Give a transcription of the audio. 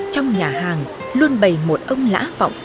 trong nhà hàng luôn bày một ông lã vọng